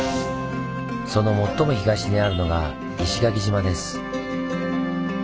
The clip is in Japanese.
その最も東にあるのが石垣島です。